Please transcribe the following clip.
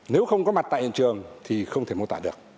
nếu không có mặt tại hiện trường thì không thể mô tả được